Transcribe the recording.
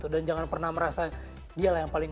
dan jangan pernah merasa dia lah yang paling